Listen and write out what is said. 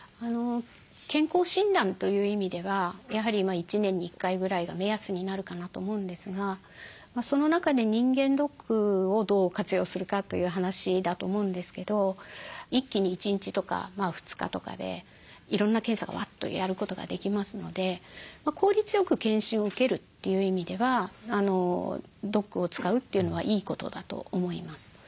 健康診断という意味ではやはり１年に１回ぐらいが目安になるかなと思うんですがその中で人間ドックをどう活用するかという話だと思うんですけど一気に１日とか２日とかでいろんな検査がワッとやることができますので効率よく健診を受けるという意味ではドックを使うというのはいいことだと思います。